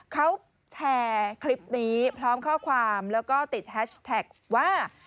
เขาแชร์คลิปนี้พร้อมข้อความแล้วก็ติดแฮชแท็กว่า